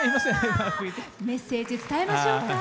メッセージ伝えましょうか。